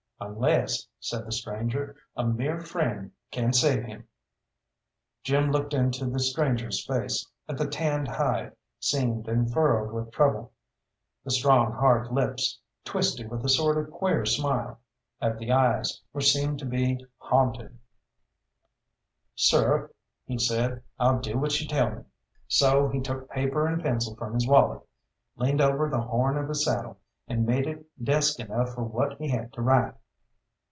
"Unless," said the stranger, "a mere friend can save him." Jim looked into this stranger's face, at the tanned hide, seamed and furrowed with trouble, the strong hard lips, twisty with a sort of queer smile, at the eyes, which seemed to be haunted. "Sir," he said, "I'll do what you tell me." So he took paper and pencil from his wallet, leaned over the horn of his saddle, and made it desk enough for what he had to write.